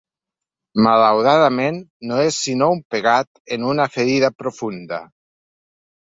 Malauradament, no és sinó un pegat en una ferida profunda.